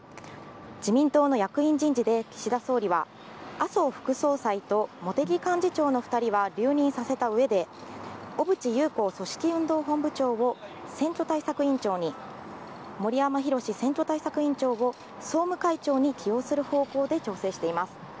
自民党の役員人事で岸田総理は麻生副総裁と茂木幹事長の２人は留任させた上で小渕優子氏組織運動本部長を選挙対策委員長に、森山裕選挙対策委員長を総務会長に起用する方向で調整しています。